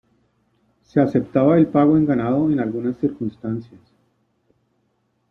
Se aceptaba el pago en ganado en algunas circunstancias.